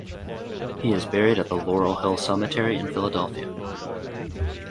He is buried at the Laurel Hill Cemetery in Philadelphia.